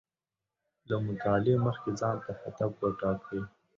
له مطالعې مخکې ځان ته هدف و ټاکئ